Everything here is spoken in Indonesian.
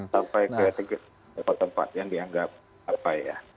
sampai ke tempat tempat yang dianggap upaya